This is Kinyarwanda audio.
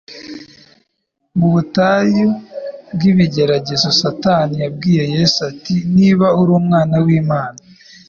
Mu butayu bw'ibigeragezo, Satani yabwiye Yesu ati: "Niba uri Umwana w'Imana,